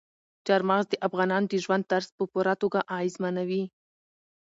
چار مغز د افغانانو د ژوند طرز په پوره توګه اغېزمنوي.